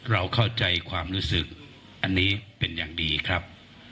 เราเข้าใจความรู้สึกอันนี้เป็นอย่างดีครับ